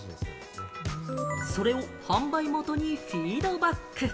それを販売元にフィードバック。